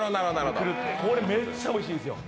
これ、めっちゃおいしいんですよ。